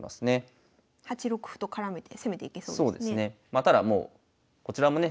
まあただもうこちらもね